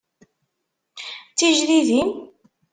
D tijdidin?